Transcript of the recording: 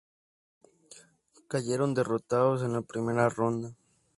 Cayeron derrotados en la primera ronda.